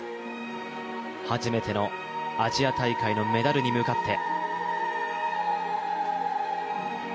初めてのアジア大会のメダルに向かって。